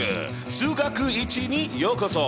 数学Ⅰにようこそ。